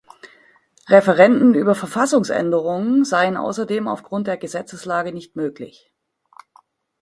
Referenden über Verfassungsänderungen seien außerdem aufgrund der Gesetzeslage nicht möglich.